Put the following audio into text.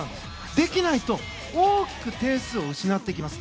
できないと大きく点数を失っていきます。